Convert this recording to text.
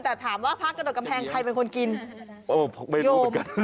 แต่ถามว่าพระกระโดดกำแพงใครเป็นคนกิน